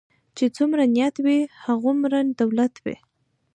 چی څومره نيت وي هغومره دولت وي .